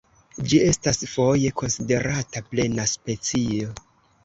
Ĝi estas foje konsiderata plena specio.